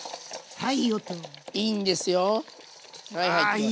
はい。